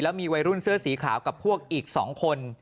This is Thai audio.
มีวัยรุ่นเสื้อสีขาวกับพวกอีก๒คน